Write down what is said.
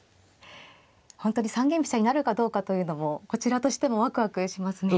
本当に三間飛車になるかどうかというのもこちらとしてもワクワクしますね。